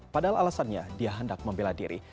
padahal alasannya dia hendak membela diri